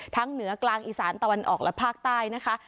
เหนือกลางอีสานตะวันออกและภาคใต้นะคะ